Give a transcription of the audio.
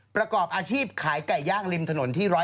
ประกอบอาชีพขายไก่ย่างริมถนนที่๑๐